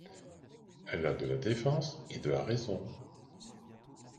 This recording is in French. Elle a de la défense et de la raison…